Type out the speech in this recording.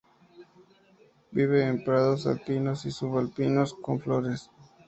Vive en prados alpinos y subalpinos con flores.